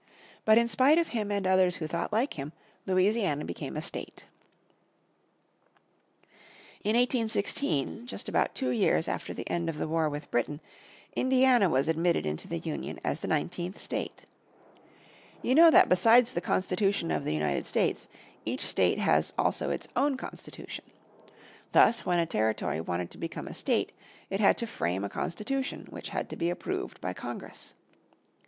But in spite of him and others who thought like him Louisiana became a state in 1812. In 1816, just about two years after the end of the war with Britain, Indiana was admitted into the Union as the nineteenth state. You know that besides the Constitution of the United States each state has also its own constitution. Thus when a territory wanted to become a state it had to frame a constitution which had to be approved by Congress.